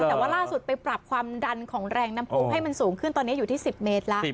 แต่ว่าล่าสุดไปปรับความดันของแรงน้ำพุงให้มันสูงขึ้นตอนนี้อยู่ที่๑๐เมตรแล้ว